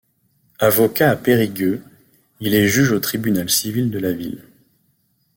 Avocat à Périgueux, il est juge au tribunal civil de la ville.